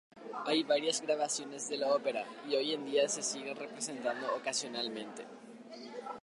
Hay varias grabaciones de la ópera, y hoy en día se sigue representando ocasionalmente.